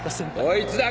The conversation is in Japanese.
どいつだ！？